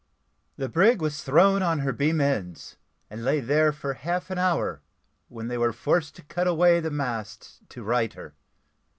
The brig was thrown on her beam ends, and lay there for half an hour, when they were forced to cut away the masts to right her.